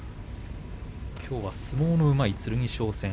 きょうは相撲のうまい剣翔戦。